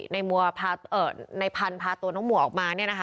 ในพันธุ์พาตัวน้องมัวออกมาเนี่ยนะคะ